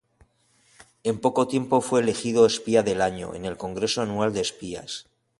En poco tiempo, fue elegido "Espía del Año" en el Congreso Anual de Espías.